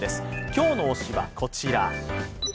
今日の推しは、こちら。